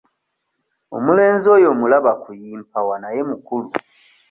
Omulenzi oyo omulaba kuyimpawa naye mukulu.